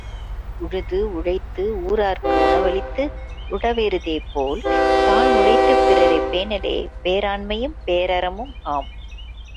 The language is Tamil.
உழுது உழைத்து ஊரார்க்கு உணவளித்து உழவெருதே போல், தான் உழைத்துப் பிறரைப் பேணலே பேராண்மையும் பேரறமும் ஆம்.